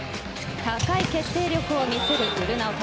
高い決定力を見せるウルナウト。